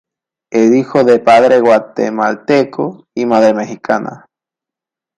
Es hijo de padre guatemalteco y madre mexicana.